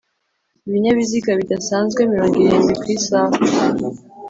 ibinyabiziga bidasanzwe mirongo irindwi ku isaha